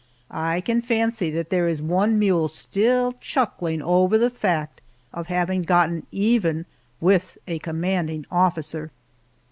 I can fancy that there is one mule still chuckling over the fact of having gotten even with a commanding officer!